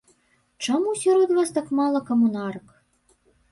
Чаму сярод вас тут так мала камунарак?